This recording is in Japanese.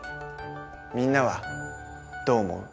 みんなはどう思う？